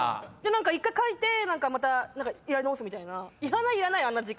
何か１回書いてまたやり直すみたいな。